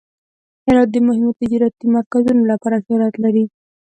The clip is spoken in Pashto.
هرات د مهمو تجارتي مرکزونو لپاره شهرت لري.